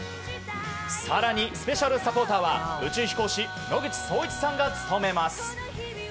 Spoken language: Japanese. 更にスペシャルサポーターは宇宙飛行士・野口聡一さんが務めます。